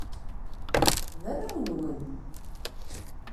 D arraw-nwen.